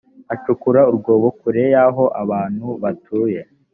acukura urwobo kure y aho abantu batuye